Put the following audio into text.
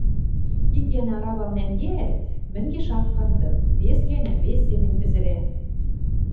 Ик гӓнӓ аравам нӓнгеӓӓт, мӹнгеш ак канды, вес гӓнӓ вес семӹнь пӹзӹрӓ.